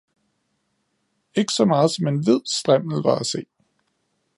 Ikke så meget som en hvid strimmel var at se